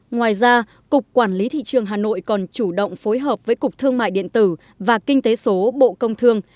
ngoài ra cục quản lý thị trường hà nội còn chủ động phối hợp với cục thương mại điện tử và kinh tế số bộ công thương